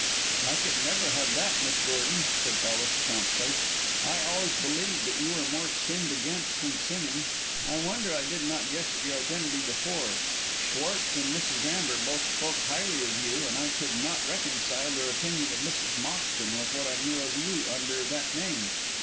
"I could never have that, Miss Gordon," said Ellis, promptly. "I always believed that you were more sinned against than sinning. I wonder I did not guess at your identity before. Schwartz and Mrs. Amber both spoke highly of you, and I could not reconcile their opinion of Mrs. Moxton with what I knew of you under that name.